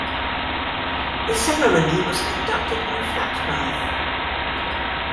The ceremony was conducted by Flat Mouth.